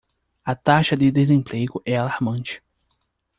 A taxa de desemprego é alarmante.